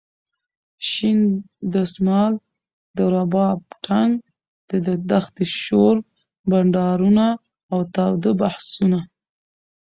شین دسمال ،د رباب ټنګ د دښتې شور ،بنډارونه اوتاوده بحثونه.